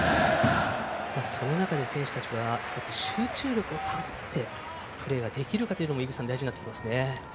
選手たちは集中力を保ってプレーができるかというのも大事になりますね。